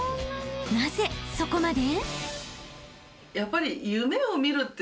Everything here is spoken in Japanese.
［なぜそこまで？］